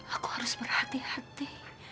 aku harus merhati hati